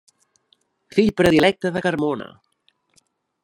Fill Predilecte de Carmona.